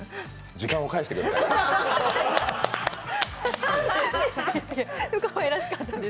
時間を返してください。